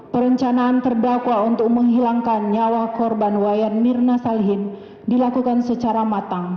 perencanaan terdakwa untuk menghilangkan nyawa korban wayan mirna salihin dilakukan secara matang